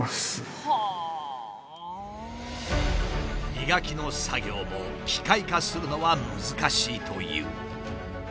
磨きの作業も機械化するのは難しいという。